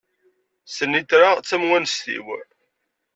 Snitra d tamewanest-iw.